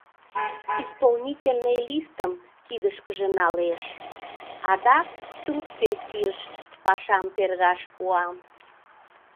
Исполнительный листым кидышкыже налеш, адак трудсессийыш пашам тергаш пуа.